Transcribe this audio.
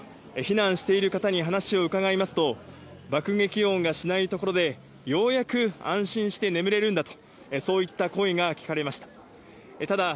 避難している方に話を伺いますと、爆撃音がしないところで、ようやく安心して眠れるんだと、そういった声が聞かれました。